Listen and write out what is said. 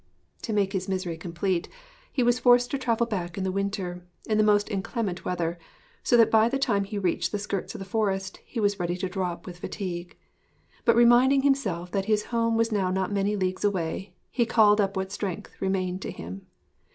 To make his misery complete he was forced to travel back in the winter, in the most inclement weather; so that by the time he reached the skirts of the forest he was ready to drop with fatigue. But reminding himself that his home was now not many leagues away, he called up what strength, remained to him.